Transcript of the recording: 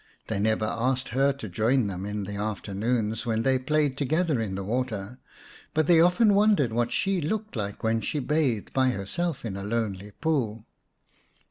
They never asked her to join them in the afternoons when they played together in the water, but they often wondered what she looked like when she bathed by herself in a lonely pool.